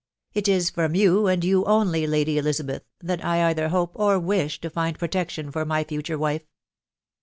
It is from you, and you only, Lady Elizabeth, that I either hope or wish to find protection for my future wile.